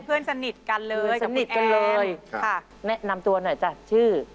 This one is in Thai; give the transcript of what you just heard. เพื่อนสนิทกันเลยสนิทกันเลยค่ะแนะนำตัวหน่อยจ้ะชื่อ